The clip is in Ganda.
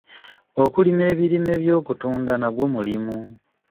Okulima ebirime eby'okutunda nagwo mulimu.